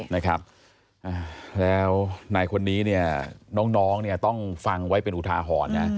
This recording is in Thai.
นะครับแล้วนายคนนี้เนี่ยน้องเนี่ยต้องฟังไว้เป็นอุทาหรณ์นะ